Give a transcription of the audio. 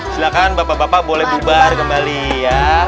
silahkan bapak bapak boleh bubar kembali ya